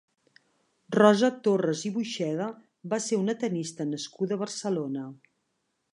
Rosa Torras i Buxeda va ser una tenista nascuda a Barcelona.